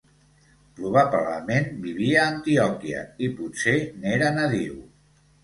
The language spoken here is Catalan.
Probablement vivia a Antioquia i potser n'era nadiu.